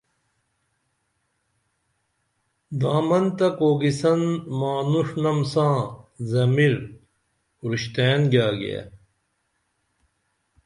دامن تہ کوکیسن مانوݜنم ساں ضمیر اُرشتئین گیاگیے